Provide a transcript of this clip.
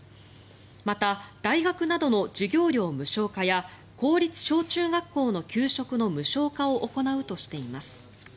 また、大学などの授業料無償化や公立小中学校の給食の無償化などを行うとしています。